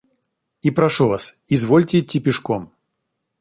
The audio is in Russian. И прошу вас — извольте идти пешком.